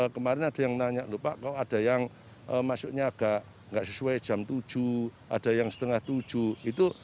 kemarin ada yang nanya lho pak kok ada yang masuknya agak nggak sesuai jam tujuh ada yang setengah tujuh itu